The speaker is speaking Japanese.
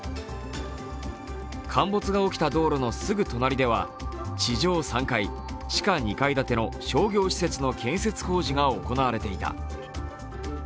陥没が起きた道路のすぐ隣では地上３階、地下２階建ての商業施設の建設工事が行われていた。